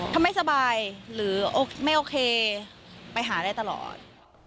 ถ้าไม่สบายหรือไม่โอเคไปหาได้ตลอด